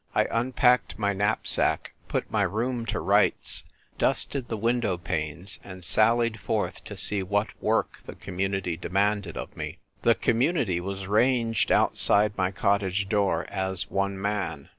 I unpacked my knapsack, put my room to rights, dusted tlie window panes, and salhed forth to see what work the Community demanded oi me. The Community was ranged outside my cottage door as one man.